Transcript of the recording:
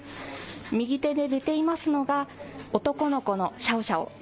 右手で寝ていますのが男の子のシャオシャオ。